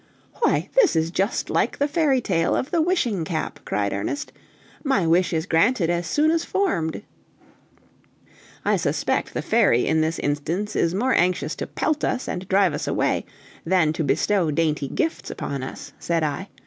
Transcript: "Why, this is just like the fairy tale of the wishing cap!" cried Ernest. "My wish is granted as soon as formed!" "I suspect the fairy in this instance is more anxious to pelt us and drive us away than to bestow dainty gifts upon us," said I.